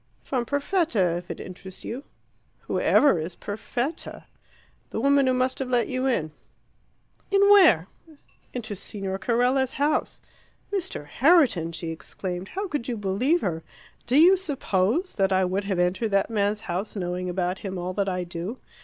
"From Perfetta, if it interests you." "Who ever is Perfetta?" "The woman who must have let you in." "In where?" "Into Signor Carella's house." "Mr. Herriton!" she exclaimed. "How could you believe her? Do you suppose that I would have entered that man's house, knowing about him all that I do?